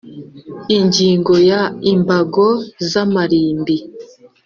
Ingingo ya imbago z amarimbi